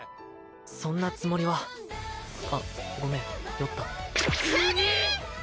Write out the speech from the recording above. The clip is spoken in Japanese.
そんなつもりはあっごめん酔った急に！？